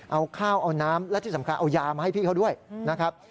เอาข้าวเอาน้ำและที่สำคัญเอายามาให้พี่เขาด้วยนะครับ